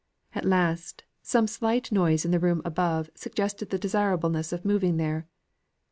At last some slight noise in the room above suggested the desirableness of moving there.